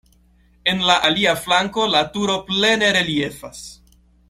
En la alia flanko la turo plene reliefas.